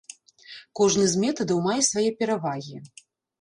Кожны з метадаў мае свае перавагі.